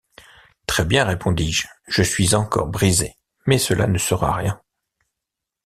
Très-bien, répondis-je ; je suis encore brisé, mais cela ne sera rien.